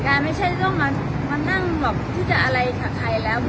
การไม่ใช่มาทำนั่งที่จะอะไรขายแล้ว